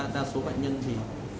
đa số bệnh nhân thì